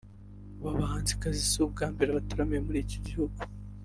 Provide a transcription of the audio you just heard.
Aba bahanzikazi si ubwa mbere bataramiye muri iki gihugu